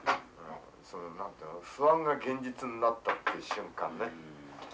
その何て言うの不安が現実になったっていう瞬間ね。